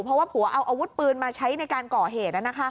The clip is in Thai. เพราะว่าผัวเอาอาวุธปืนมาใช้ในการก่อเหตุ